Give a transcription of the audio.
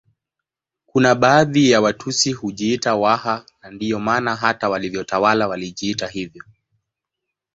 Kuna baadhi ya Watusi hujiita Waha na ndiyo maana hata walivyotawala walijiita hivyo